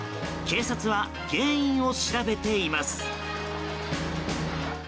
警察は原因を調べています。